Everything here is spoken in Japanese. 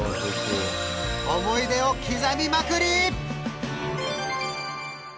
思い出を刻みまくり！